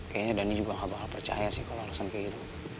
kayaknya dhani juga gak bakal percaya sih kalau alasan kayak gitu